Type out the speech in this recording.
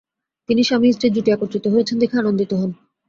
তিনি "স্বামী-স্ত্রীর জুটি একত্রিত হয়েছেন" দেখে আনন্দিত হন।